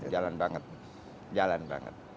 jalan jalan banget